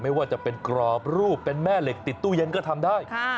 ไม่ว่าจะเป็นกรอบรูปเป็นแม่เหล็กติดตู้เย็นก็ทำได้